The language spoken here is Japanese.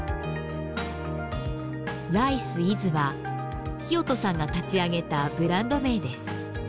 ＲＩＣＥＩＳは聖人さんが立ち上げたブランド名です。